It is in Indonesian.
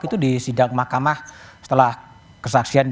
itu di sidang mahkamah setelah kesaksian